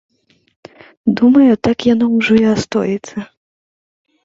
Думаю, так яно ўжо і астоіцца.